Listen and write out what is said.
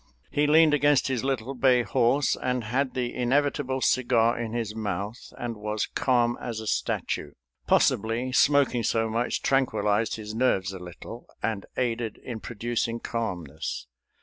He leaned against his little bay horse, had the inevitable cigar in his mouth, and was calm as a statue. Possibly smoking so much tranquillized his nerves a little and aided in producing calmness.